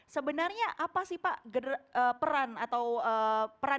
sebenarnya apa sih pak peran atau peran dari keluarga keren ini